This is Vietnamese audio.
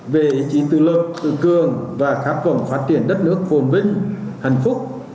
về ý chí tự lực tự cường và khát vọng phát triển đất nước phồn vinh hạnh phúc